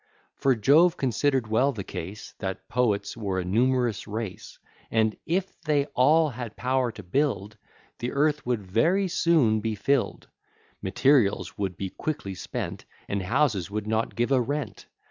For Jove consider'd well the case, That poets were a numerous race; And if they all had power to build, The earth would very soon be fill'd: Materials would be quickly spent, And houses would not give a rent.